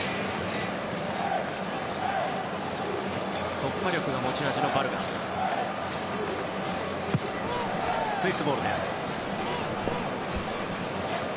突破力が持ち味のバルガス。